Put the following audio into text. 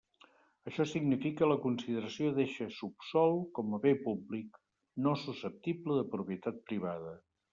Això significa la consideració d'eixe subsòl com a bé públic no susceptible de propietat privada.